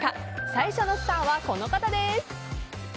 最初のスターはこの方です。